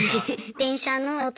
電車の音？